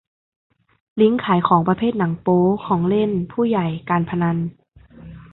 ลิงก์ขายของประเภทหนังโป๊ ของเล่นผู้ใหญ่ การพนัน